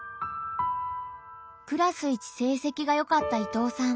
クラス一成績がよかった伊藤さん。